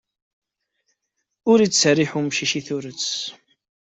Ur ittserriḥ umcic i turet!